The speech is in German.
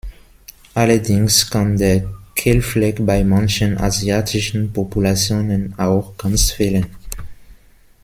Allerdings kann der Kehlfleck bei manchen asiatischen Populationen auch ganz fehlen.